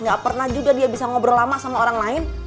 gak pernah juga dia bisa ngobrol lama sama orang lain